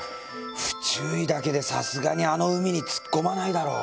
不注意だけでさすがにあの海に突っ込まないだろ。